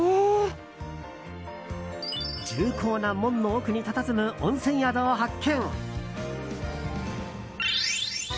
重厚な門の奥にたたずむ温泉宿を発見。